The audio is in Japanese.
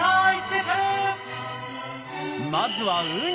まずはウニ。